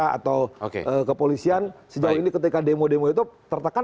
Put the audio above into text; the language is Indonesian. saya tidak tahu kalau jaksa atau kepolisian sejauh ini ketika demo demo itu tertekan